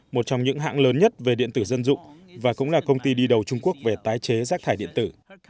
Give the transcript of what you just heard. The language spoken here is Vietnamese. một trong những hãng lớn nhất về điện tử dân dụng và cũng là công ty đi đầu trung quốc về tái chế rác thải điện tử